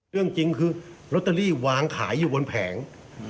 เรื่องจริงคือลอตเตอรี่วางขายอยู่บนแผง